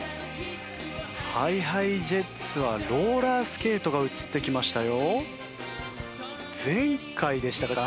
ＨｉＨｉＪｅｔｓはローラースケートが映ってきましたよ。